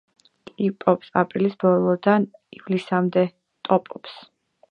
ტოფობს აპრილის ბოლოდან ივლისამდე.